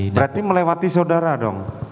berarti melewati saudara dong